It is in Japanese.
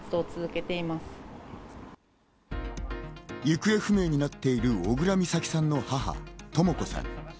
行方不明になっている小倉美咲さんの母・とも子さん。